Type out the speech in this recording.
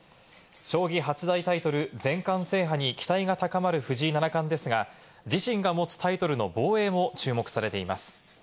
将棋八大タイトル全冠制覇に期待が高まる藤井七冠ですが、自身が持つタイトルの防衛も注目されています。